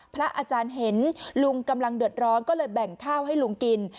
พระอาจารย์เห็นลุงกำลังเดือดร้อนก็เลยแบ่งข้าวให้ลุงกิน